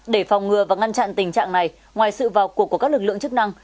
để phòng ngừa và ngăn chặn tình trạng này ngoài sự vào cuộc của các lực lượng chức năng